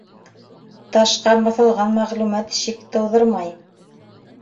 — Ташҡа баҫылған мәғлүмәт шик тыуҙырмай.